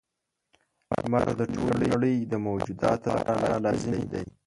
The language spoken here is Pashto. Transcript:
• لمر د ټولې نړۍ د موجوداتو لپاره لازمي دی.